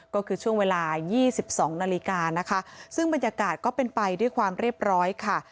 ก็คือช่วงเวลา๒๒นาฬิกานะคะซึ่งบรรยากาศก็เป็นไปด้วยความเรียบร้อยค่ะ